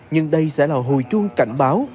nhưng đây sẽ là hồi chuông cảnh báo